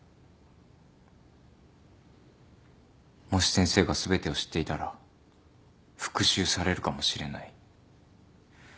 もし先生が全てを知っていたら復讐されるかもしれない。